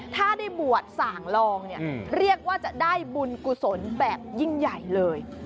ถ้าได้บวชส่างลองเนี่ยเรียกว่าจะได้บุญกุศลแบบยิ่งใหญ่เลย